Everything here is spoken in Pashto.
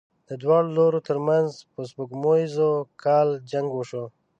د دواړو لورو تر منځ په سپوږمیز کال جنګ وشو.